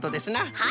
はい。